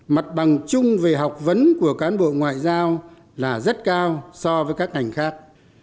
mặt bằng chung về học vấn của cán bộ ngoại giao là rất cao so với các ngành khác